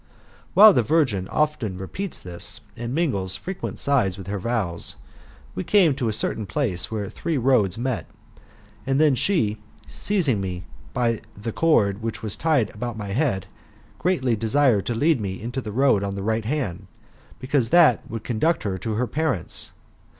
While the virgin often repeats this, and mingles frequent sighs with her vows, we came to a certain place where three roads met; and then she, seizing me by the cord which was tied about my head, greatly desired to lead me into the road on the right hand, because that way would conduct her to her parents.